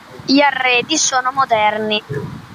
Gli arredi sono moderni.